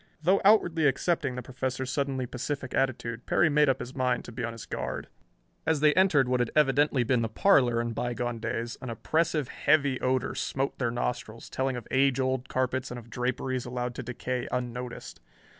Though outwardly accepting the Professor's suddenly pacific attitude, Perry made up his mind to be on his guard. As they entered what had evidently been the parlor in bygone days, an oppressive, heavy odor smote their nostrils, telling of age old carpets and of draperies allowed to decay unnoticed.